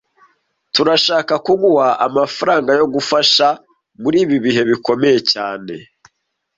Turashaka kuguha amafaranga yo kugufasha muri ibi bihe bikomeye cyane